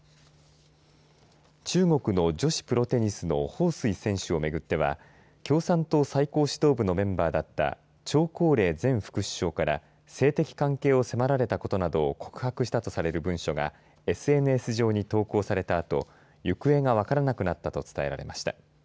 中国の女子プロテニスの彭帥選手をめぐっては共産党最高指導部のメンバーだった張高麗前副首相から性的関係を迫られたことなどを告白したとされる文書がＳＮＳ上に投稿されたあと行方が分からなくなったと伝えられました。